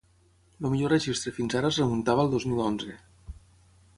El millor registre fins ara es remuntava al dos mil onze.